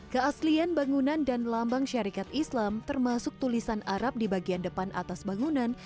keaslian bangunan dan lambang syarikat islam termasuk tulisan arab di bagian depan atas bangunan